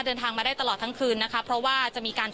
พูดสิทธิ์ข่าวธรรมดาทีวีรายงานสดจากโรงพยาบาลพระนครศรีอยุธยาครับ